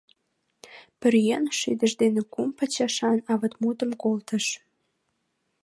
Пӧръеҥ шыдыж дене кум пачашан аватмутым колтыш.